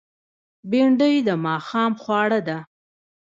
بېنډۍ د ماښام خواړه ده